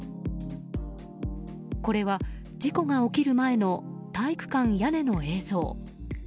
これは事故が起きる前の体育館屋根の映像。